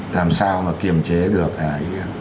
làm sao mà kiềm chế được cái